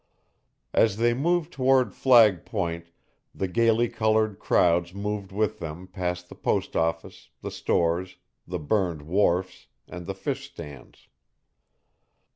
As they moved toward Flag Point the gaily colored crowds moved with them past the post office, the stores, the burned wharfs, and the fish stands.